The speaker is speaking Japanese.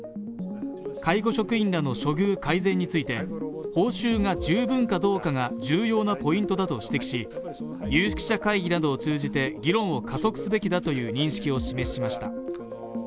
介護職員らの処遇改善について報酬が十分かどうかが重要なポイントだと指摘し、有識者会議などを通じて議論を加速すべきだとの認識を示しました。